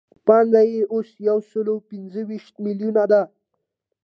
پانګه یې اوس یو سل پنځه ویشت میلیونه ده